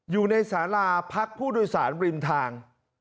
อยู่ในสาราพักผู้โดยสารริมทาง